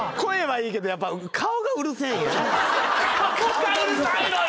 顔がうるさいのよ。